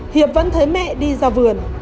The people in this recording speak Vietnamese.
hiệp vẫn thấy mẹ đi ra vườn